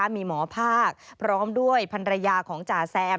มีหมอภาคพร้อมด้วยภรรยาของจ่าแซม